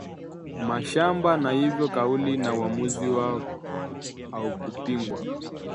mashamba na hivyo kauli na uamuzi wao haukupingwa